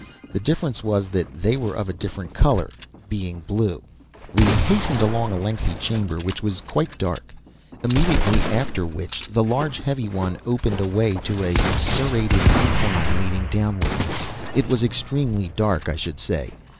The difference was that they were of a different color, being blue. We hastened along a lengthy chamber which was quite dark, immediately after which the large, heavy one opened a way to a serrated incline leading downward. It was extremely dark, I should say.